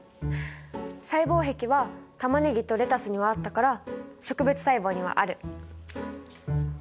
細胞壁はタマネギとレタスにはあったから植物細胞にはある。